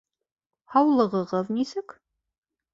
Һаулығығыҙ нисек?